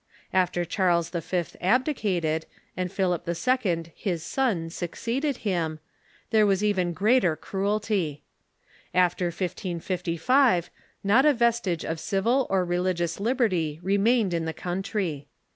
After Charles V. ab dicated, and Philip II., his son, succeeded him, there Avas even greater cruelty. After 1555 not a vestige of civil or religious liberty remained in the country.